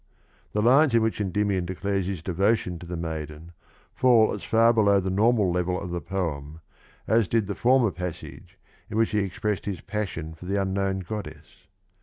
The lines in which Endymion declares his devotion to the maiden fall as far below the normal level of the poem as did the former passage in which he expressed his passion for the unknown goddess.